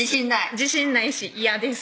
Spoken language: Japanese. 自信ないし嫌です